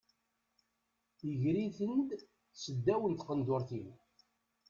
Iger-iten-id seddaw n tqendurt-iw.